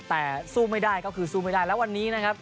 แต่สู้ไม่ได้ก็คือสู้ไม่ได้แล้ววันนี้นะครับ